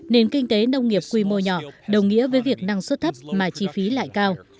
nền kinh tế nông nghiệp quy mô nhỏ đồng nghĩa với việc năng suất thấp mà chi phí lại cao